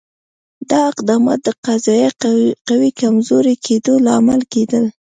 دا اقدامات د قضایه قوې د کمزوري کېدو لامل کېدل.